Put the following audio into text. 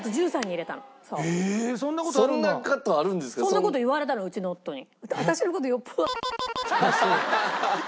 そんな事言われたのうちの夫に。